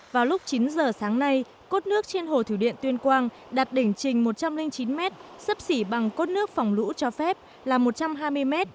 vào lúc chín giờ sáng nay cốt nước trên hồ thủy điện tuyên quang đạt đỉnh trình một trăm linh chín m sấp xỉ bằng cốt nước phòng lũ cho phép là một trăm hai mươi m